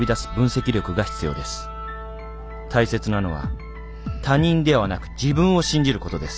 大切なのは他人ではなく自分を信じることです。